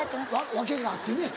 訳があってね。